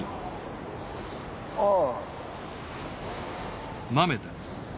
ああ。